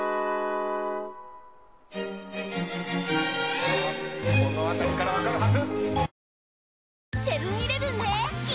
さあこの辺りから分かるはず。